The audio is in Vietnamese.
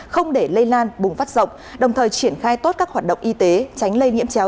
không để lây lan bùng phát rộng đồng thời triển khai tốt các hoạt động y tế tránh lây nhiễm chéo